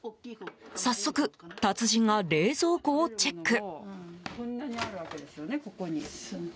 早速、達人が冷蔵庫をチェック。